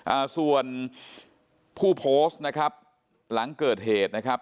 อ่าส่วนผู้โพสต์นะครับหลังเกิดเหตุนะครับ